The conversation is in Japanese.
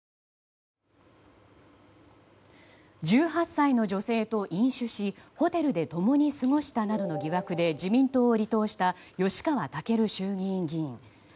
１８歳の女性と飲酒しホテルで共に過ごしたなどの疑惑で自民党を離党した吉川赳衆議院議員。